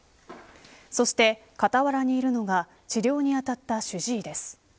そして、かたわらにいるのが治療に当たった主治医です。